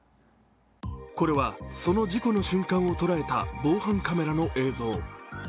これはその事故の瞬間を捉えた防犯カメラの映像。